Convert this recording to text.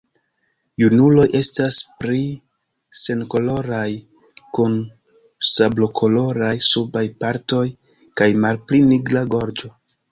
Junuloj estas pli senkoloraj, kun sablokoloraj subaj partoj kaj malpli nigra gorĝo.